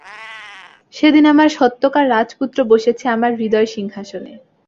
সেদিন আমার সত্যকার রাজপুত্র বসেছে আমার হৃদয়-সিংহাসনে।